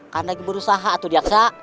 karena berusaha di raksasa